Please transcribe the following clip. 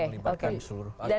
itu melibatkan seluruh